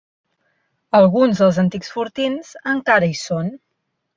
Alguns dels antics fortins encara hi són.